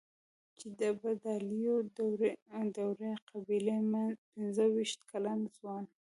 چې د ابدالیو د وړې قبيلې پنځه وېشت کلن ځوان.